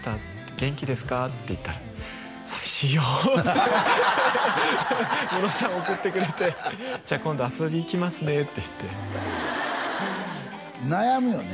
「元気ですか？」って言ったら「寂しいよ」ってムロさん送ってくれて「じゃあ今度遊びいきますね」って言って悩むよね